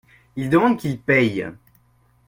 Il demande qu’il paye.